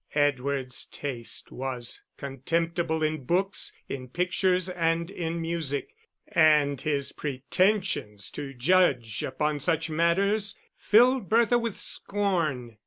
Edward's taste was contemptible in books, in pictures, and in music; and his pretentions to judge upon such matters filled Bertha with scorn.